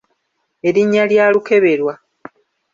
Erinnya lya Lukeberwa.